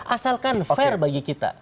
asalkan fair bagi kita